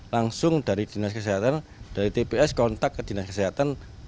langsung dari tps kontak ke dinas kesehatan